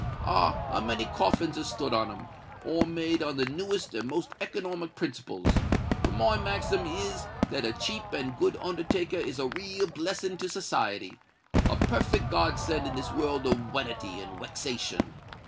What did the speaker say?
Ah! a many coffins has stood on 'em—all made on the newest and most economic principles; for my maxim is that a cheap and good undertaker is a real blessin' to society—a perfect god send in this world of wanity and wexation.